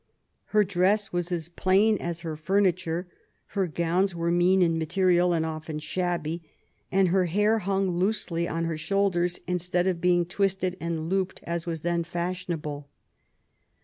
Her dress was as plain as her furniture. Her gowns were, mean in material and often shabby, and her hair hung loosely on her shoulders, instead of being twisted and looped as was then fashionable.